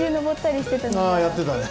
あやってたね。